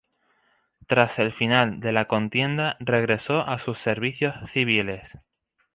Tras el final de la contienda regresó a sus servicios civiles.